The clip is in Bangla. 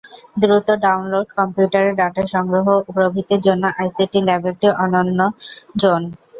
দ্রুত ডাউনলোড, কম্পিউটারে ডাটা সংগ্রহ প্রভৃতির জন্য আইসিটি ল্যাব একটি অনন্য জোন।